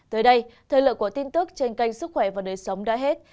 tới đây thời lượng của tin tức trên kênh sức khỏe và đời sống đã hết